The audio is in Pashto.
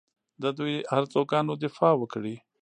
د دوی ارزوګانو دفاع وکړي